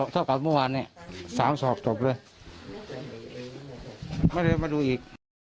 เท่ากับเมื่อวานเนี่ย๓สอบจบเลยไม่ได้มาดูอีก